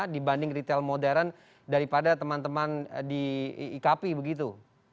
dibanding retail modern daripada teman teman di ikp begitu